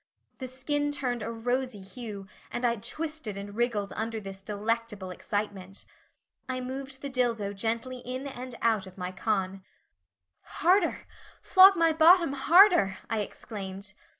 The skin turned a rosy hue and I twisted and wriggled under this delectable excitement. I moved the dildo gently in and out of my con. "Harder, flog my bottom harder," I exclaimed.